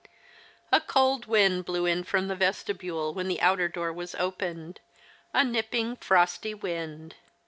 A cold wind blew in from the vestibule when the outer door was opened — a nipping, frosty wind.